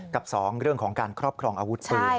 กับ๒เรื่องของการครอบครองอาวุธปืน